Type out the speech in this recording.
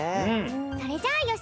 それじゃあよし